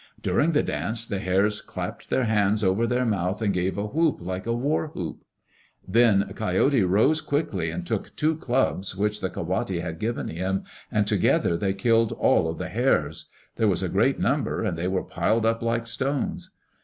During the dance the Hares clapped their hands over their mouth and gave a whoop like a war whoop. Then Coyote rose quickly and took two clubs which the ka wate had given him, and together they killed all of the Hares. There was a great number and they were piled up like stones.